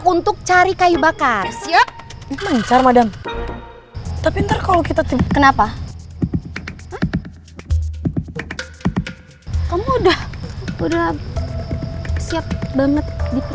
untuk cari kayu bakar siap mencar madem tapi ntar kalau kita tuh kenapa kamu udah udah siap banget